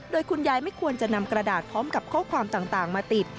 โดยคุณยายไม่ควรจะนำกระดาษพร้อมกับข้อความต่างมาติด